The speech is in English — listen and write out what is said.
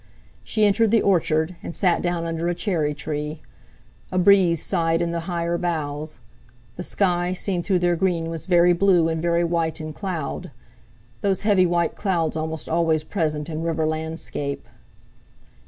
She entered the orchard, and sat down under a cherry tree. A breeze sighed in the higher boughs; the sky seen through their green was very blue and very white in cloud—those heavy white clouds almost always present in river landscape.